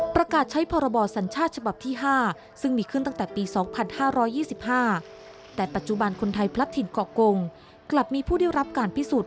ประกาศใช้พรบสัญชาติฉบับที่๕ซึ่งมีขึ้นตั้งแต่ปี๒๕๒๕แต่ปัจจุบันคนไทยพลัดถิ่นเกาะกงกลับมีผู้ได้รับการพิสูจน